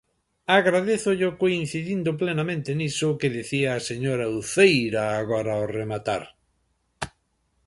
Agradézollelo coincidindo plenamente niso que dicía a señora Uceira agora ao rematar.